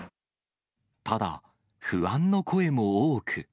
ただ、不安の声も多く。